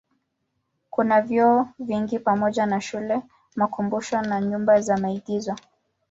Kuna vyuo vingi pamoja na shule, makumbusho na nyumba za maigizo.